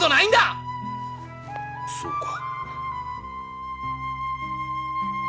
そうか。